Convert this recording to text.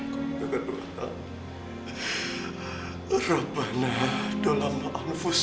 kau dengar irup irupana dolama album